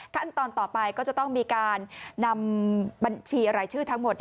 ขั้นตอนต่อไปก็จะต้องมีการนำบัญชีรายชื่อทั้งหมด